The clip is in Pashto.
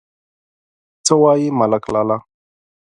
_څه وايې ملک لالا ؟